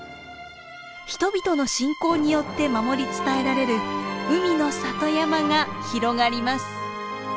人々の信仰によって守り伝えられる海の里山が広がります。